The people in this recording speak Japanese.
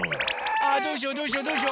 ああどうしようどうしようどうしよう。